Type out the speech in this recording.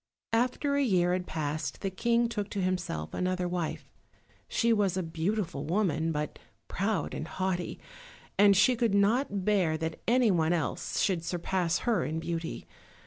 After a year had passed the King took to himself another wife. She was a beautiful woman, but proud and haughty, and she could not bear that anyone else should surpass her in beauty.